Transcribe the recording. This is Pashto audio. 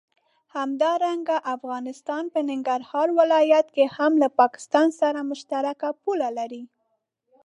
همدارنګه افغانستان په ننګرهار ولايت کې هم له پاکستان سره مشترکه پوله لري.